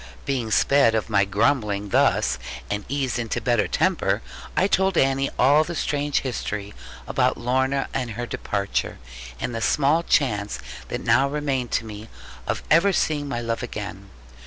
Being sped of my grumbling thus, and eased into better temper, I told Annie all the strange history about Lorna and her departure, and the small chance that now remained to me of ever seeing my love again.